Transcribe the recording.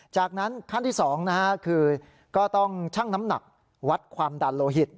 จากนั้นขั้นที่๒คือก็ต้องชั่งน้ำหนักวัดความดันโลหิต